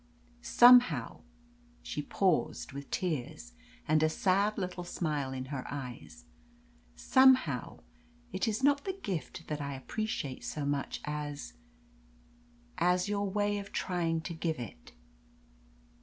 Somehow" she paused, with tears and a sad little smile in her eyes "somehow it is not the gift that I appreciate so much as as your way of trying to give it."